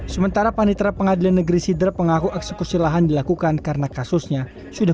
sementara panitera pengadilan negeri sidrap mengaku eksekusi lahan dilakukan karena kasusnya sudah